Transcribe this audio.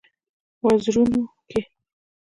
وزرونو کې